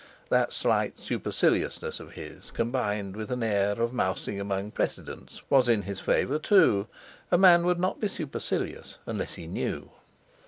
That slight superciliousness of his, combined with an air of mousing amongst precedents, was in his favour too—a man would not be supercilious unless he knew!